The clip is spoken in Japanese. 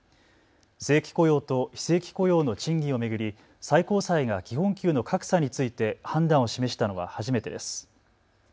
正規雇用と非正規雇用の賃金を巡り最高裁が基本給の格差について判断を示したのは初めてです。